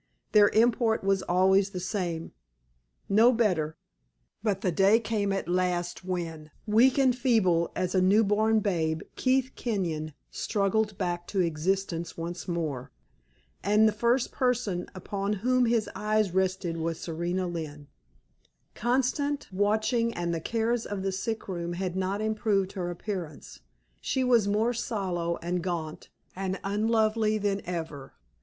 Their import was always the same: "No better." But the day came at last when, weak and feeble as a newborn babe, Keith Kenyon struggled back to existence once more; and the first person upon whom his eyes rested was Serena Lynne. Constant watching and the cares of the sick room had not improved her appearance; she was more sallow, and gaunt, and unlovely than ever.